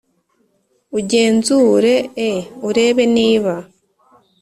Ugenzure e urebe niba